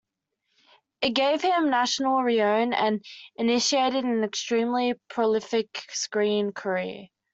It gave him national renown and initiated an extremely prolific screen career.